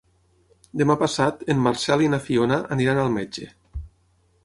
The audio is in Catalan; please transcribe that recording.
Demà passat en Marcel i na Fiona aniran al metge.